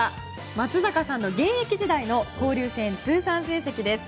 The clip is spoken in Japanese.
松坂さんの現役時代の交流戦通算成績です。